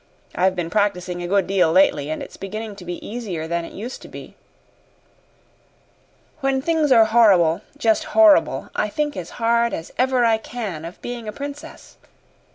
I've been practicing a good deal lately, and it's beginning to be easier than it used to be. When things are horrible just horrible I think as hard as ever I can of being a princess.